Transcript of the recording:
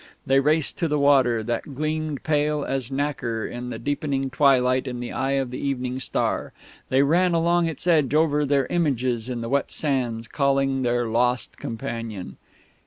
They raced to the water, that gleamed pale as nacre in the deepening twilight in the eye of the evening star. They ran along its edge over their images in the wet sands, calling their lost companion.